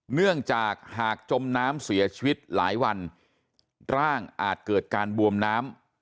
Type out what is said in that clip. เนื่องจากหากจมน้ำเสียชีวิตหลายวันร่างอาจเกิดการบวมน้ำ